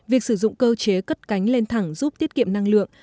việc sử dụng cơ chế cất cánh lên thẳng giúp tiết kiệm năng lượng